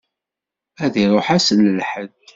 Ad iṛuḥ ass n lḥedd.